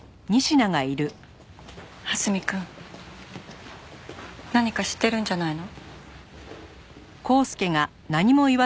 蓮見くん何か知ってるんじゃないの？